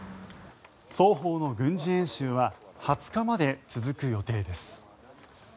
双方の軍事演習は２０日まで続く予定です。